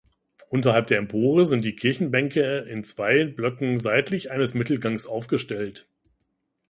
Unterhalb der Empore sind die Kirchenbänke in zwei Blöcken seitlich eines Mittelgangs aufgestellt.